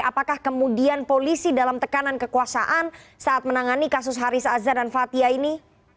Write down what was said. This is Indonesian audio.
apakah kemudian polisi dalam tekanan kekuasaan saat menangani kasus haris azhar dan fathia ini